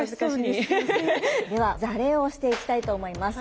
では座礼をしていきたいと思います。